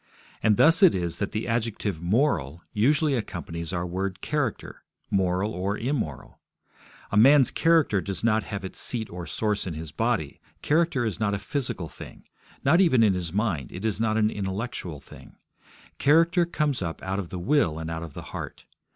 And thus it is that the adjective 'moral' usually accompanies our word 'character' moral or immoral. A man's character does not have its seat or source in his body; character is not a physical thing: not even in his mind; it is not an intellectual thing. Character comes up out of the will and out of the heart.